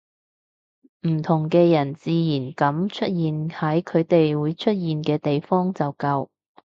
唔同嘅人自然噉出現喺佢哋會出現嘅地方就夠